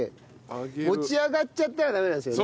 持ち上がっちゃったらダメなんですよね。